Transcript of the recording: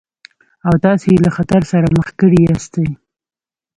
او تاسې يې له خطر سره مخ کړي ياستئ.